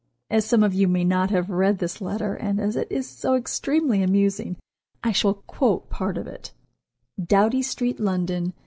As some of you may not have read this letter, and as it is so extremely amusing, I shall quote part of it: "DOUGHTY STREET, LONDON.